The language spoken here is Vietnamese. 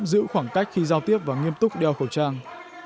giữ khoảng cách khi giao tiếp và nghiêm túc đeo khẩu trang